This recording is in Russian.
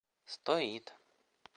стоит